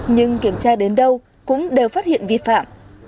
nhưng kiểm tra đến đâu cũng đều phát hiện vi phạm